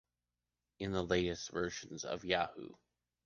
In the latest versions of Yahoo!